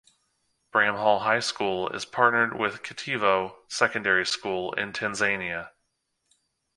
Bramhall High School is partnered with Kitivo Secondary School in Tanzania.